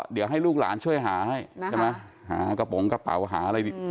เดี๋ยวให้ลูกหลานช่วยหาให้ใช่ไหมหากระโปรงกระเป๋าหาอะไร